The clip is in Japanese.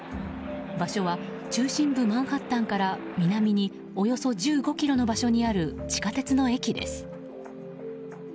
場所は中心部マンハッタンから南におよそ１５ｋｍの場所にある地下鉄の駅です。